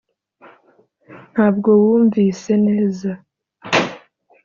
ntabwo wumvise neza